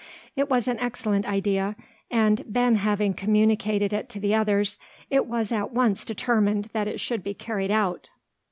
It was an excellent idea; and, Ben having communicated it to the others, it was at once determined that it should be carried out.